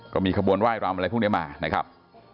ก็มีขบวนไห้รำอะไรพวกนี้มานะครับ